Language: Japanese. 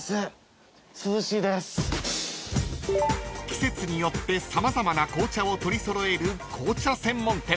［季節によって様々な紅茶を取り揃える紅茶専門店］